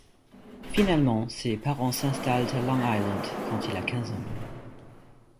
Finalement, ses parents s'installent à Long Island quand il a quinze ans.